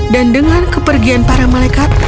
dan dengan kepergian para malaikat